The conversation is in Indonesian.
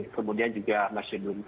kemudian juga masih belum